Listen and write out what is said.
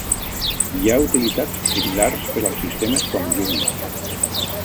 Hi ha utilitats similars per als sistemes com Unix.